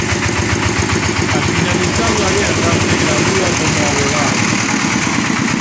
Al finalizar la guerra se gradúa como abogado.